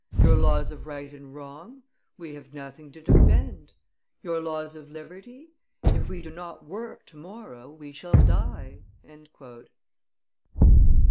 Your laws of right and wrong? We have nothing to defend. Your laws of liberty? If we do not work to morrow, we shall die."